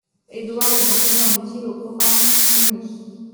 Édouard est donc né en exil aux Provinces-Unies.